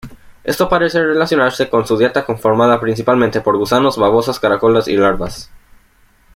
Esto parece relacionarse con su dieta conformada principalmente por gusanos, babosas, caracoles y larvas.